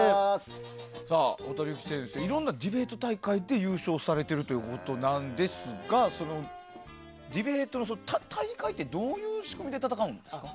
いろんなディベート大会で優勝されているということなんですがそのディベートの大会ってどういう仕組みで戦うんですか？